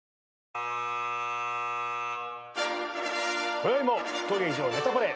こよいも当劇場『ネタパレ』